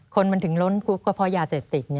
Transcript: คนมันถึงล้นคุกก็เพราะยาเสพติดไง